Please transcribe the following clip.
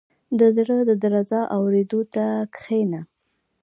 • د زړه د درزا اورېدو ته کښېنه.